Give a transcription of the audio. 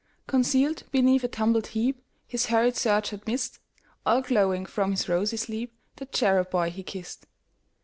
Concealed beneath a tumbled heapHis hurried search had missed, All glowing from his rosy sleep, The cherub boy he kissed.